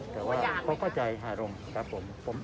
แต่ว่าเขาก็ใจห้าร่มครับผม